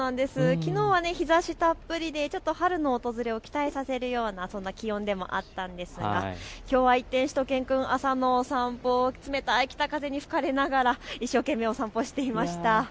きのうは日ざしたっぷりでちょっと春の訪れを期待させるような、そんな気温でもあったんですが、きょうは一転して朝のお散歩、しゅと犬くん冷たい風に吹かれながら一生懸命お散歩していました。